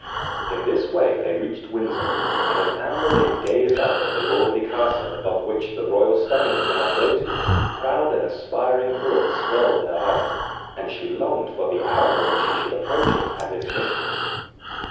In this way they reached Windsor; and as Anne Boleyn gazed up at the lordly castle above which the royal standard now floated, proud and aspiring thoughts swelled her heart, and she longed for the hour when she should approach it as its mistress.